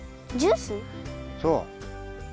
そう。